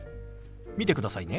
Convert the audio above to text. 見てくださいね。